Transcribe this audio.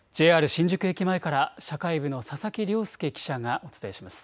新宿駅前から社会部の佐々木良介記者がお伝えします。